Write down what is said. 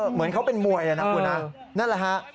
เหมือนเขาเป็นมวยแหละนะคุณนั่นแหละครับ